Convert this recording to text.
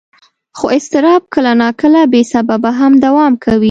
خو اضطراب کله ناکله بې سببه هم دوام کوي.